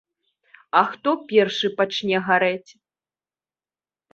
А хто першы пачне гарэць?